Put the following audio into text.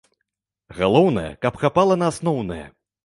Галоўнае, каб хапала на асноўнае.